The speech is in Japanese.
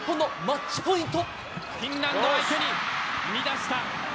フィンランド相手に、乱した。